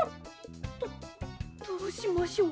どどうしましょう。